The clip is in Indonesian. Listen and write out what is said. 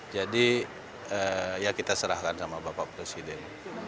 jadi ya kita serahkan sama bapak presiden